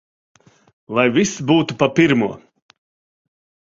Lai viss būtu pa pirmo!